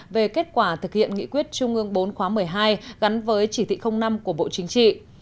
về kết quả thực hiện nghị quyết trung ương bốn khóa một mươi hai gắn với chỉ thị năm của bộ chính trị